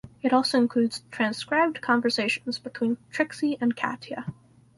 It also includes transcribed conversations between Trixie and Katya.